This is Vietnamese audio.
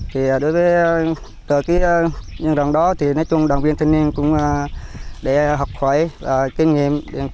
thì đối với tờ ký nhân dân đó thì nói chung đoàn viên thanh niên cũng để học khỏe kinh nghiệm